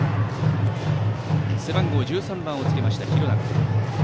背番号１３番をつけた廣長。